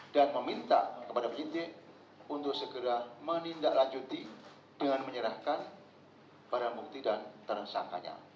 meminta kepada penyidik untuk segera menindaklanjuti dengan menyerahkan barang bukti dan tersangkanya